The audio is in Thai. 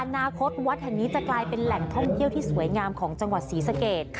อนาคตวัดแห่งนี้จะกลายเป็นแหล่งท่องเที่ยวที่สวยงามของจังหวัดศรีสเกต